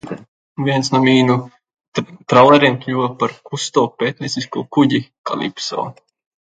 "Viens no mīnu traleriem kļuva par Kusto pētniecisko kuģi "Kalipso"."